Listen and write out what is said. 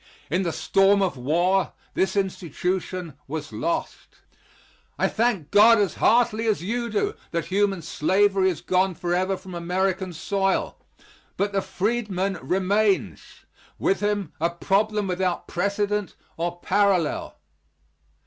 In the storm of war this institution was lost. I thank God as heartily as you do that human slavery is gone forever from American soil. But the freedman remains. With him, a problem without precedent or parallel.